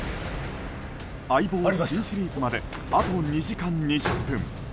「相棒」新シリーズまであと２時間２０分。